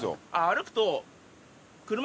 歩くと。